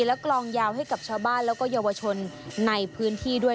และกลองยาวให้กับชาวบ้านแล้วก็เยาวชนในพื้นที่ด้วย